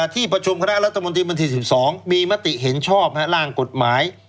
ที่ประชุมคณะรัฐมนตรีวันที่๑๒มีมติเห็นชอบร่างกฎหมาย